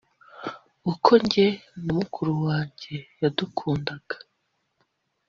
uko jye na mukuru wanjye yadukundaga